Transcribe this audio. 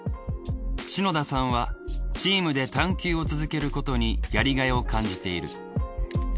篠田さんはチームで探究を続けることにやりがいを感じている。